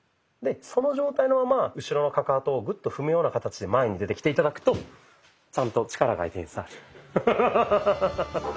でその状態のまま後ろのカカトをグッと踏むような形で前に出てきて頂くとちゃんと力が相手に伝わる。